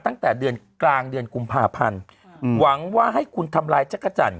ตั้งแต่เดือนกลางเดือนกุมภาพันธ์หวังว่าให้คุณทำลายจักรจันท